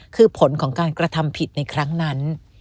คือผลของการกระทำผิดในครั้งนั้น